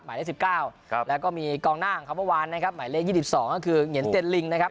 หมายเลขสิบก้าวแล้วก็มีกองน่าของเขาเมื่อวานหมายเลข๒๒นะคือเหนียนเต็ดลิงนะครับ